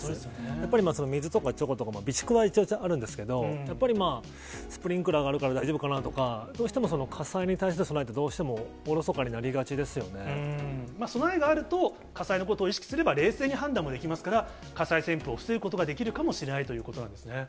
やっぱり水とかちょこちょこ備蓄はちゃんとあるんですけれども、やっぱりスプリンクラーがあるから大丈夫かなとか、どうしても火災に対しての備えってどうしてもおろそかになりがち備えがあると、火災のことを意識すれば、冷静に判断もできますから、火災旋風を防ぐことができるかもしれないということなんですね。